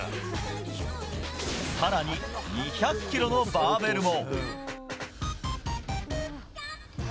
さらに２００キロのバーベルも。